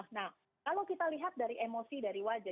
nah kalau kita lihat dari emosi dari wajah